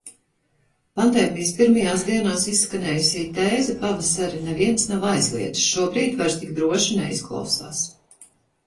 Pandēmijas pirmajās dienās izskanējusī tēze "Pavasari neviens nav aizliedzis!" šobrīd vairs tik droši neizklausās...